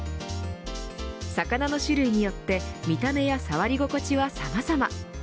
魚の種類によって見た目や触り心地はさまざま。